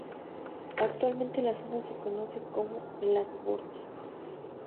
Actualmente la zona se conoce como "las bordas".